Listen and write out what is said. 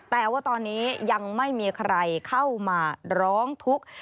แต่ว่าตอนนี้ยังไม่มีใครเข้ามาร้องทุกข์